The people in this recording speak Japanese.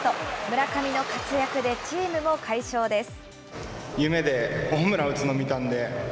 村上の活躍でチームも快勝です。